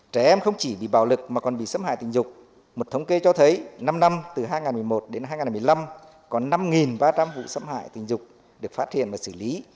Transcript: trẻ em không chỉ bị bạo lực mà còn bị xâm hại tình dục một thống kê cho thấy năm năm từ hai nghìn một mươi một đến hai nghìn một mươi năm có năm ba trăm linh vụ xâm hại tình dục được phát hiện và xử lý